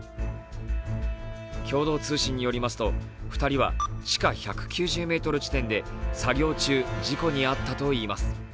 共同通信によりますと、２人は地下１９０ｍ地点で作業中、事故に遭ったといいます。